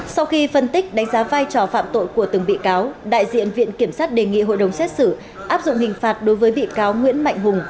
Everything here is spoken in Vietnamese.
sau khi phân tích đánh giá vai trò phạm tội của từng bị cáo đại diện viện kiểm sát đề nghị hội đồng xét xử áp dụng hình phạt đối với bị cáo nguyễn mạnh hùng